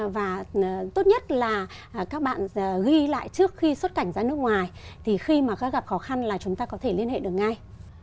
và tốt nhất là các bạn ghi lại trước khi xuất cảnh ra nước ngoài thì khi mà gặp khó khăn là chúng ta có thể liên hệ được ngay